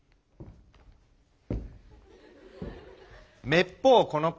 めっぽうこの子。